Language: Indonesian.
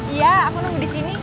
iya aku nunggu di sini